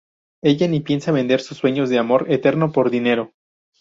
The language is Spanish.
Ella ni piensa vender sus sueños de amor eterno por dinero.